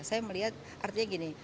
saya melihat artinya gini